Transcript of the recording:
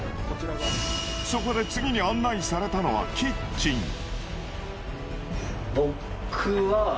そこで次に案内されたのはキッチン。